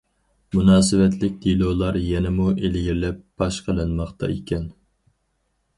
مۇناسىۋەتلىك دېلولار يەنىمۇ ئىلگىرىلەپ پاش قىلىنماقتا ئىكەن.